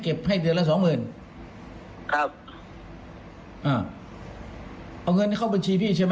แล้วทางนี้เข้าบัญชีพี่ใช่ไหม